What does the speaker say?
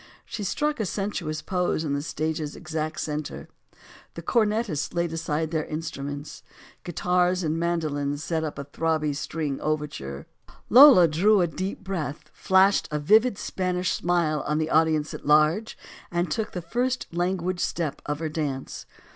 She struck a sensuous pose in the stage's exact center. The cornetists laid aside their instruments. Guitars and mandolins set up a throbby string overture. Lola drew a deep breath, flashed a vivid Spanish smile on the audience at large, and took the first languid step of her dance.